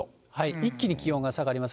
一気に気温が下がります。